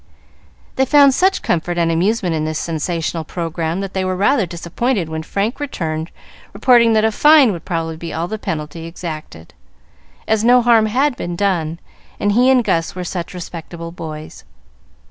They found such comfort and amusement in this sensational programme that they were rather disappointed when Frank returned, reporting that a fine would probably be all the penalty exacted, as no harm had been done, and he and Gus were such respectable boys.